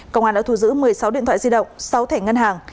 công an đã thu giữ một mươi sáu điện thoại di động sáu thẻ ngân hàng